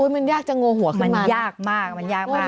มันยากจะโง่หัวขึ้นมาโง่หัวขึ้นมายากมาก